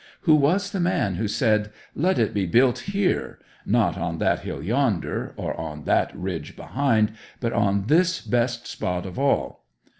Who was the man that said, 'Let it be built here!' not on that hill yonder, or on that ridge behind, but on this best spot of all?